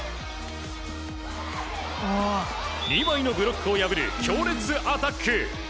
２枚のブロックを破る強烈アタック。